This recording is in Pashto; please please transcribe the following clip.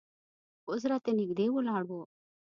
اوس راته نږدې ولاړ و.